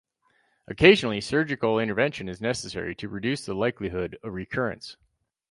Occasionally, surgical intervention is necessary to reduce the likelihood of recurrence.